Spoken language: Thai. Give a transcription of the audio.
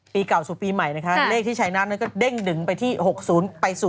ปีเก่าสู่ปีใหม่นะคะเลขที่ชัยนาธก็เด้งดึงไปที่๖๐ไปสู่๖๑